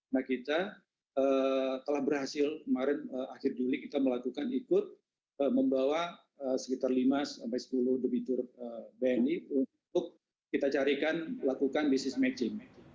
nah kita telah berhasil kemarin akhir juli kita melakukan ikut membawa sekitar lima sampai sepuluh debitur bni untuk kita carikan lakukan bisnis matching